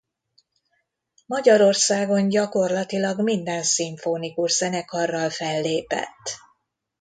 Magyarországon gyakorlatilag minden szimfonikus zenekarral fellépett.